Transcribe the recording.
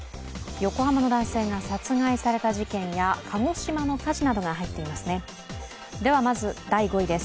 横浜の男性が殺害された事件や鹿児島の火事などが入っています。